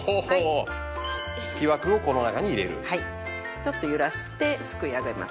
ちょっと揺らして救い上げます。